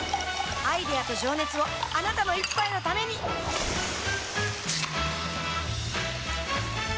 アイデアと情熱をあなたの一杯のためにプシュッ！